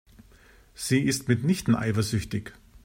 Sie ist mitnichten eifersüchtig.